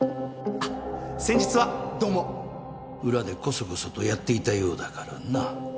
あっ先日はどうも裏でこそこそとやっていたようだからな。